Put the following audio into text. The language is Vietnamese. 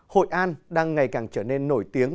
hội an đang ngày càng trở nên nổi tiếng